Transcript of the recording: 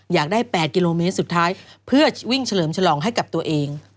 อยากได้๘กิโลเมตรสุดท้ายเพื่อวิ่งเฉลิมฉลองให้กับตัวเอง